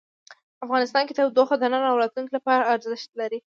افغانستان کې تودوخه د نن او راتلونکي لپاره ارزښت لري.